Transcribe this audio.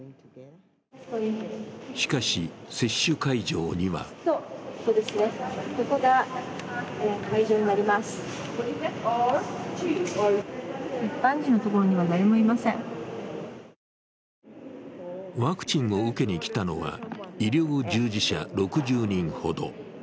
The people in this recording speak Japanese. しかし、接種会場にはワクチンを受けに来たのは、医療従事者６０人ほど。